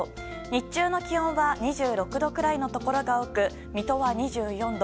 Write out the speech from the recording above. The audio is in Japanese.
日中の気温は２６度くらいのところが多く水戸は２４度。